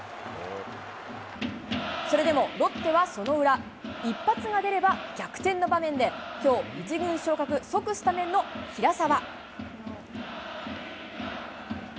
それでもロッテはその裏、一発が出れば逆転の場面で、きょう、１軍昇格、即スタメンの平沢。